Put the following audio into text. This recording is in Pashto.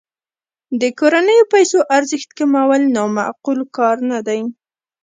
د کورنیو پیسو ارزښت کمول نا معقول کار نه دی.